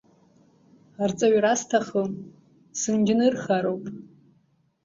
Арҵаҩра сҭахым, сынџьнырхароуп!